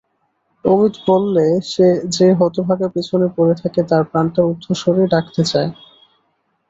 অমিত বললে, যে হতভাগা পিছনে পড়ে থাকে তার প্রাণটা ঊর্ধ্বস্বরে ডাকতে চায়।